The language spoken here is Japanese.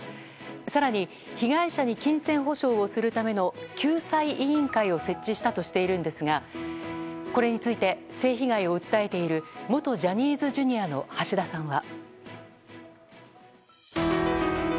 更に被害者に金銭保証をするための救済委員会を設置したとしているんですがこれについて性被害を訴えている元ジャニーズＪｒ．の橋田さんは。